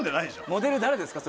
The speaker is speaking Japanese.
モデル誰ですか？